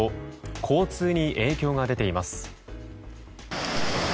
交通に影響が出ています。